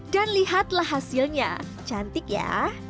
dan lihatlah hasilnya cantik ya